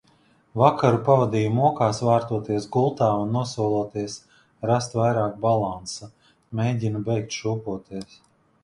Vakaru pavadīju mokās, vārtoties gultā un nosoloties rast vairāk balansa. Mēģinu beigt šūpoties.